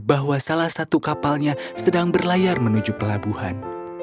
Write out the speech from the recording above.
bahwa salah satu kapalnya sedang berlayar menuju pelabuhan